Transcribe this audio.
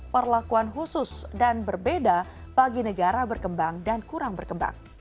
perlakuan khusus dan berbeda bagi negara berkembang dan kurang berkembang